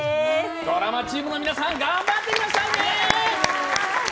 ドラマチームの皆さん、頑張ってくださいねー。